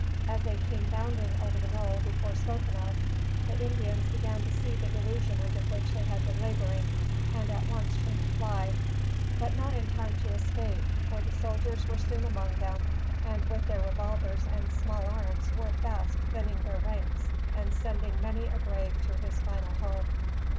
As they came bounding over the knoll before spoken of, the Indians began to see the delusion under which they had been laboring, and at once turned to fly, but not in time to escape, for the soldiers were soon among them and with their revolvers and small arms were fast thinning their ranks and sending many a brave to his final home.